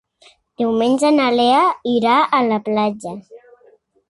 Diumenge na Lea irà a la platja.